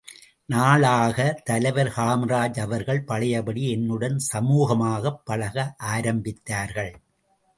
நாளாக ஆக, தலைவர் காமராஜ் அவர்கள் பழையபடி என்னுடன் சுமூகமாகப் பழக ஆரம்பித்தார்கள்.